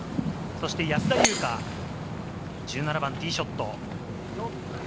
そして安田祐香、１７番ティーショット。